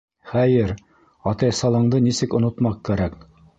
Хәйер, атайсалыңды нисек онотмаҡ кәрәк?